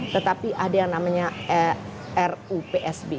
tetapi ada yang namanya rupsb